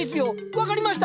分かりました。